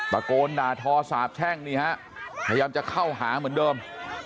ตะโกนด่าทอสาบแช่งนี่ฮะพยายามจะเข้าหาเหมือนเดิม